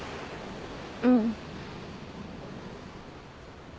うん。